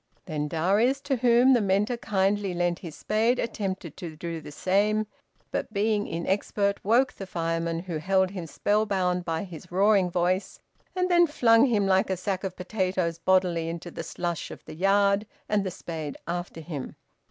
Then Darius, to whom the mentor kindly lent his spade, attempted to do the same, but being inexpert woke the fireman, who held him spellbound by his roaring voice and then flung him like a sack of potatoes bodily into the slush of the yard, and the spade after him.